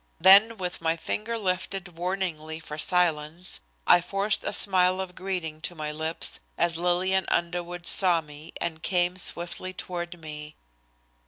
Then with my finger lifted warningly for silence I forced a smile of greeting to my lips as Lillian Underwood saw me and came swiftly toward me.